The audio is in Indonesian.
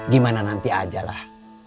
gimana nanti ajalah